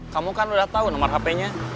kamu kan udah tahu nomor hpnya